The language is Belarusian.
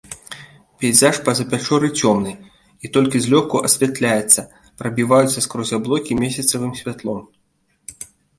Пейзаж па-за пячоры цёмны, і толькі злёгку асвятляецца прабіваюцца скрозь аблокі месяцавым святлом.